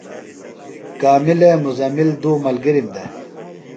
کاملے مُزمل دُو ملگِرم دےۡ۔